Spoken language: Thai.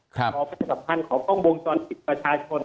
ครับของประสาทภัณฑ์ของกล้องโมงจรสิทธิประชาชน